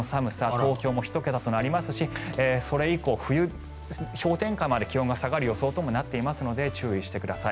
東京も１桁となりますしそれ以降、氷点下まで気温が下がる予想ともなっていますので注意してください。